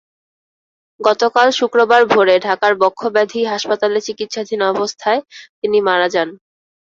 গতকাল শুক্রবার ভোরে ঢাকায় বক্ষব্যাধি হাসপাতালে চিকিৎসাধীন অবস্থায় তিনি মারা যান।